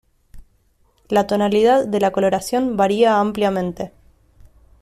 La tonalidad de la coloración varía ampliamente.